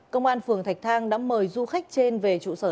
công an phường thạch thang đã mời du khách trên về trụ sở